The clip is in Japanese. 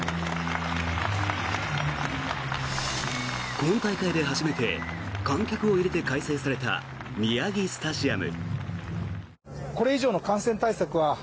今大会で初めて観客を入れて開催された宮城スタジアム。